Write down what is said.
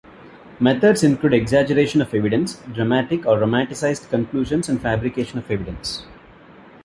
Methods include exaggeration of evidence, dramatic or romanticized conclusions, and fabrication of evidence.